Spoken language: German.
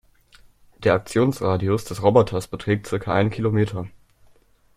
Der Aktionsradius des Roboters beträgt circa einen Kilometer.